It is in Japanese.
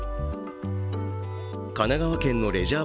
神奈川県のレジャー